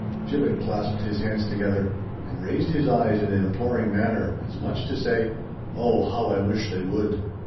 Gibbet clasped his hands together, and raised his eyes in an imploring manner, as much as to say, "Oh! how I wish they would!"